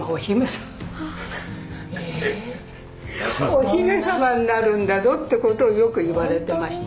お姫様になるんだどってことをよく言われてました。